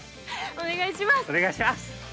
お願いします